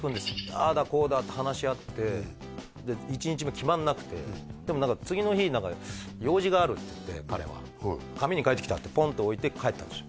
ああだこうだって話し合ってで１日目決まらなくてでも次の日何か用事があるって言って彼は紙に書いてきたってポンと置いて帰ったんですよ